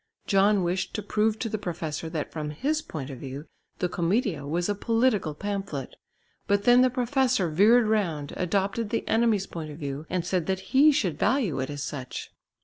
John wished to prove to the professor that from his point of view the Commedia was a political pamphlet, but then the professor veered round, adopted the enemy's point of view and said that he should value it as such.